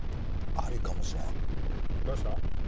ありかもしれないどうした？